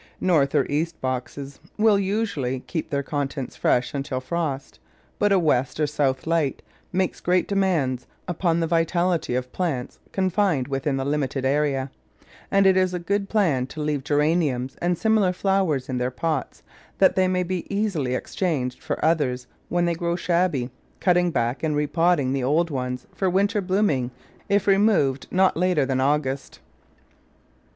North or east boxes will, usually, keep their contents fresh until frost; but a west or south light makes great demands upon the vitality of plants confined within the limited area, and it is a good plan to leave Geraniums and similar flowers in their pots, that they may be easily exchanged for others when they grow shabby, cutting back and repotting the old ones for winter blooming if removed not later than August.